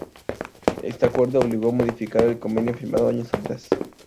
Este acuerdo obligó a modificar el convenio firmado años atrás.